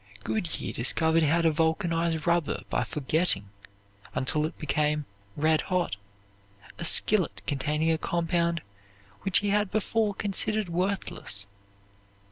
Goodyear discovered how to vulcanize rubber by forgetting, until it became red hot, a skillet containing a compound which he had before considered worthless.